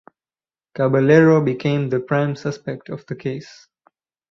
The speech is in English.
Caballero became the prime suspect of the case.